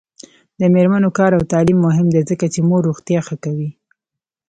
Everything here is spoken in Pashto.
د میرمنو کار او تعلیم مهم دی ځکه چې مور روغتیا ښه کوي.